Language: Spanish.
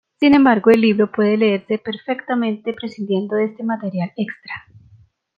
Sin embargo el libro puede leerse perfectamente prescindiendo de este material extra.